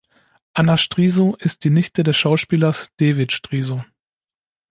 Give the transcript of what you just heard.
Anna Striesow ist die Nichte des Schauspielers Devid Striesow.